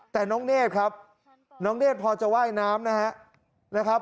แต่น้องเนธครับน้องเนธพอจะว่ายน้ำนะครับ